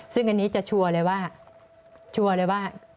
ซึ่งอันนี้จะชัวร์เลยว่า